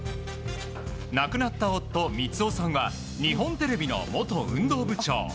亡くなった夫・光雄さんは日本テレビの元運動部長。